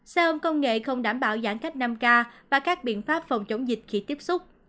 xe ôm công nghệ không đảm bảo giãn cách năm k và các biện pháp phòng chống dịch khi tiếp xúc